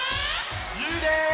ゆうです！